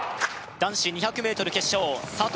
男子２００ｍ決勝佐藤